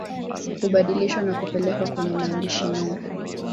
Hubadilishwa na kupelekwa kwenye maandishi nundu